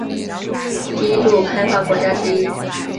低度开发国家之一。